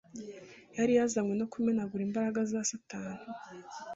Yari yazanywe no kumenagura imbaraga za Satani,